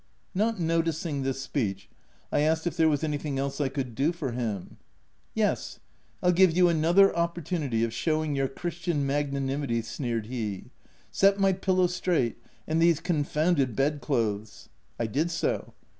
Not noticing this speech, I asked if there was anything else I could do for him. u Yes ; I'll give you another opportunity of shewing your christian magnanimity," sneered he :—" set my pillow straight, — and these con founded bed clothes." I did so.